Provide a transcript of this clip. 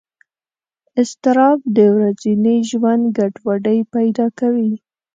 اضطراب د ورځني ژوند ګډوډۍ پیدا کوي.